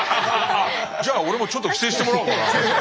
じゃあ俺もちょっと寄生してもらおうかな。